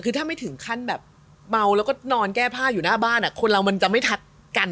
คือถ้าไม่ถึงขั้นแบบเมาแล้วก็นอนแก้ผ้าอยู่หน้าบ้านคนเรามันจะไม่ทัดกัน